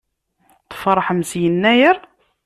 Tfeṛḥem s Yennayer?